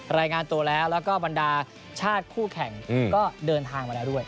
รายงานตัวแล้วแล้วก็บรรดาชาติคู่แข่งก็เดินทางมาแล้วด้วย